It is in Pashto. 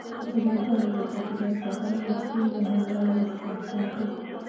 ازادي راډیو د چاپیریال ساتنه د ستونزو حل لارې سپارښتنې کړي.